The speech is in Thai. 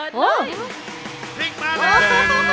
พรีกมาแล้ว